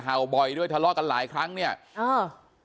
บ่อยด้วยทะเลาะกันหลายครั้งเนี่ยเออ